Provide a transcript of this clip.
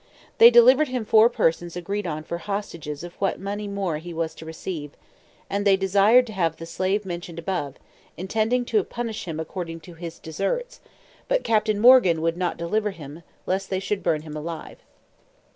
They delivered him four persons agreed on for hostages of what money more he was to receive, and they desired to have the slave mentioned above, intending to punish him according to his deserts; but Captain Morgan would not deliver him, lest they should burn him alive.